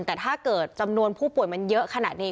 แต่ถ้าเกิดจำนวนผู้ป่วยมันเยอะขนาดนี้